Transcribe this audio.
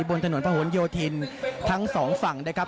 บนถนนพระหลโยธินทั้งสองฝั่งนะครับ